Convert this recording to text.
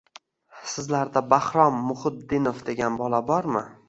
Sizlarda Bahrom Muhiddinov degan bola bormi